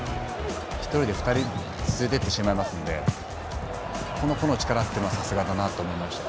１人で２人連れてってしまいますのでこの個の力はさすがだなと思いました。